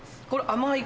甘い。